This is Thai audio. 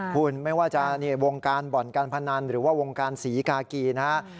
คุณไม่ว่าจะวงการบ่อนการพนันหรือว่าวงการศรีกากีนะฮะ